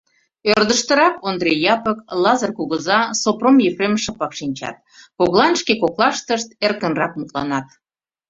Ӧрдыжтырак Ондри Япык, Лазыр кугыза, Сопром Епрем шыпак шинчат, коклан шке коклаштышт эркынрак мутланат.